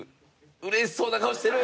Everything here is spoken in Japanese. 嬉しそうな顔してる！